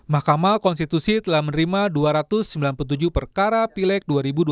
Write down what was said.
mahkamah konstitusi telah menerima dua ratus sembilan puluh tujuh perkara pileg dua ribu dua puluh